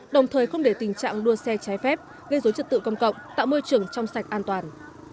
đồng thời không để tình trạng đua xe trái phép gây dối trật tự công cộng tạo môi trường trong sạch an toàn